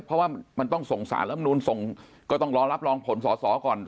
เพราะว่ามันต้องส่งสารรับนูนส่งก็ต้องรอรับรองผลสอสอก่อน